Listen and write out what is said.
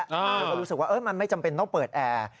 แล้วก็รู้สึกว่ามันไม่จำเป็นต้องเปิดแอร์